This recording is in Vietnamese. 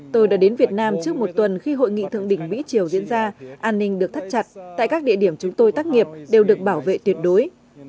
tôi đã đến việt nam trước một tuần khi hội nghị thượng đỉnh mỹ triều diễn ra an ninh được thắt chặt tại các địa điểm chúng tôi tác nghiệp đều được bảo vệ tuyệt đối